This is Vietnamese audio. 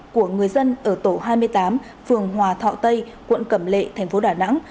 của người dân ở tổ hai mươi tám phường hòa thọ tây quận cẩm lệ tp đà nẵng